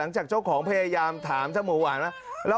เจ้าของพยายามถามเจ้าหมูหวานนะ